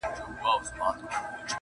له یوه ورانه تر بل پوري به پلن وو٫